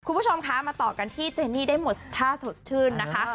คุณผู้ชมคะมาต่อกันที่เจนี่ได้หมดท่าสดชื่นนะคะ